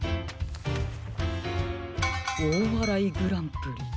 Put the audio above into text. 「おおわらいグランプリ」。